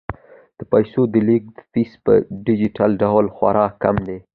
د پيسو د لیږد فیس په ډیجیټل ډول خورا کم دی.